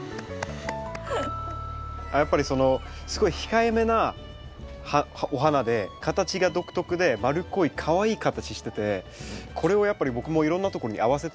やっぱりそのすごい控えめなお花で形が独特で丸っこいかわいいい形しててこれをやっぱり僕もいろんなとこに合わせたいなと思ってて。